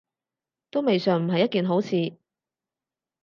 都未嘗唔係一件好事